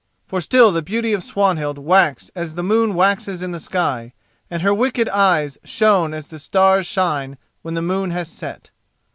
For still the beauty of Swanhild waxed as the moon waxes in the sky, and her wicked eyes shone as the stars shine when the moon has set.